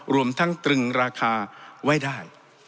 รวมทั้งตรึงราคาไว้ได้